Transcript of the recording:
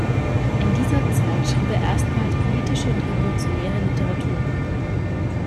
In dieser Zeit schrieb er erstmals politische und revolutionäre Literatur.